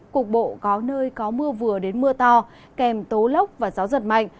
cuộc bộ có nơi có mưa vừa đến mưa to kèm tố lốc và gió rất mạnh